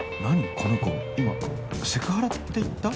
この子今セクハラって言った？